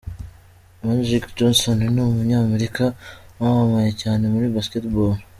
Magic Johnson: Ni umunyamerika wamamaye cyane muri Basketball.